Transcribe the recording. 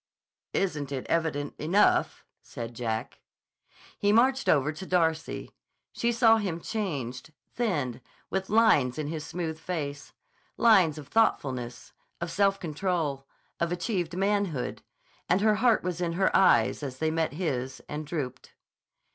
"Isn't it evident enough?" said Jack. He marched over to Darcy. She saw him changed, thinned, with lines in his smooth face; lines of thoughtfulness, of self control, of achieved manhood, and her heart was in her eyes as they met his and drooped.